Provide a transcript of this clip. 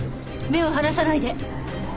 目を離さないで！